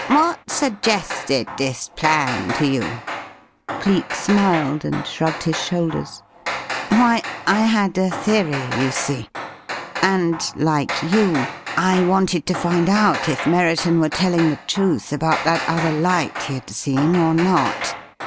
"What suggested this plan to you?" Cleek smiled and shrugged his shoulders. "Why, I had a theory, you see. And, like you, I wanted to find out if Merriton were telling the truth about that other light he had seen or not.